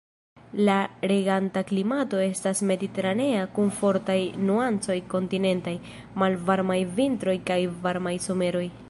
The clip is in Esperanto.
La reganta klimato estas mediteranea kun fortaj nuancoj kontinentaj; malvarmaj vintroj kaj varmaj someroj.